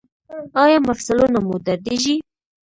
ایا مفصلونه مو دردیږي؟